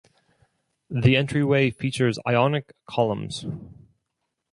The entryway features ionic columns.